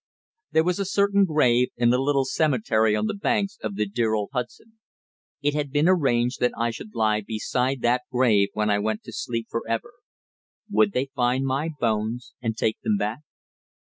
There was a certain grave in a little cemetery on the banks of the dear old Hudson. It had been arranged that I should lie beside that grave when I went to sleep forever. Would they find my bones and take them back?...